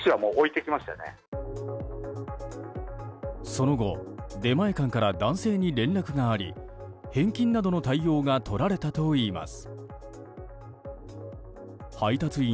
その後出前館から男性に連絡があり返金などの対応がとられたといいます。